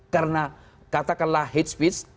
karena katakanlah hate speech